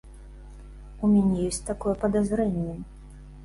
У мяне ёсць такое падазрэнне.